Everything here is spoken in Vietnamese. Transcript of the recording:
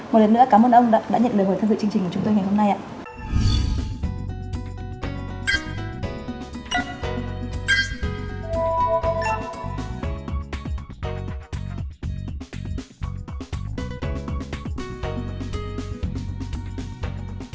một lần nữa cảm ơn ông đã nhận lời mời tham dự chương trình của chúng tôi ngày hôm nay ạ